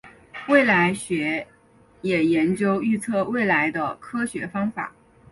未来学也研究预测未来的科学方法。